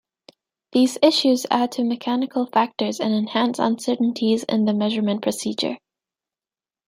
These issues add to mechanical factors and enhance uncertainties in the measurement procedure.